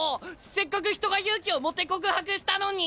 せっかく人が勇気を持って告白したのに！